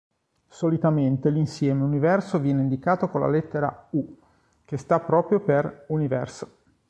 Solitamente l'insieme universo viene indicato con la lettera U, che sta proprio per "universo".